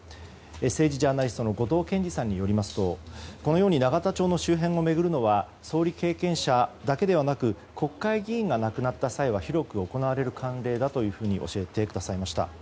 政治ジャーナリストの後藤謙次さんによりますとこのように永田町の周辺を巡るのは総理経験者だけではなく国会議員が亡くなった際は広く行われる慣例だと教えてくださいました。